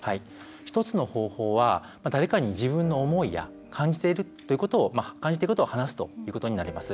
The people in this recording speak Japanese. １つの方法は自分の思いや感じていることを話すということになります。